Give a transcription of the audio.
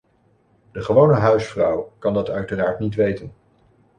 De gewone huisvrouw kan dat uiteraard niet weten.